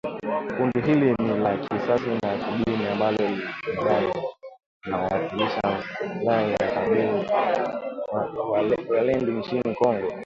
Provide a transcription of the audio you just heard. Kundi hili ni la kisiasa na kidini ambalo linadai linawakilisha maslahi ya kabila la walendu nchini Kongo